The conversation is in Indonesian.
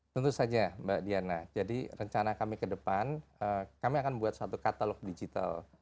tentu saja mbak diana jadi rencana kami ke depan kami akan membuat suatu katalog digital